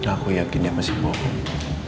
aku yakin dia masih bohong